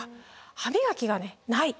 歯磨きがない。